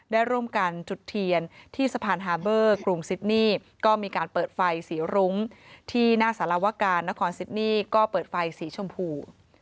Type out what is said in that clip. ได้ร่วมกันจุดเทียนที่สะพานฮาเบอร์กรุงซิดนี่ก็มีการเปิดไฟสีรุ้งที่หน้าสารวการนครซิดนี่ก็เปิดไฟสีชมพู